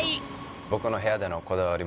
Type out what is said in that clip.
僕の部屋でのこだわり